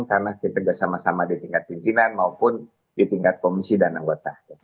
karena kita nggak sama sama di tingkat pimpinan maupun di tingkat komisi dan anggota